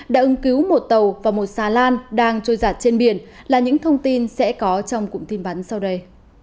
đã ứng cứu một tàu và một xà lan đang trôi giặt trên biển là những thông tin sẽ có trong cụm tin bắn sau đây